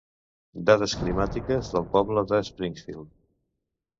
Dades climàtiques del poble de Springfield.